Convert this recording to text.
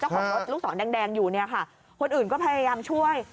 ของรถลูกศรแดงอยู่เนี่ยค่ะคนอื่นก็พยายามช่วย